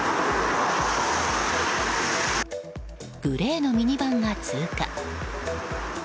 グレーのミニバンが通過。